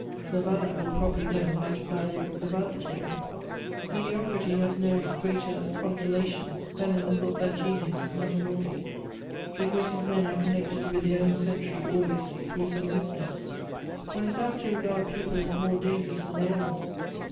The valet will probably know how to value the valet hero. " Mediocrity has no greater consolation than in the thought that genius is not immortal. "The greatest men are connected with their own century always through some weakness. " One is apt to regaril people as more dangerous than they are.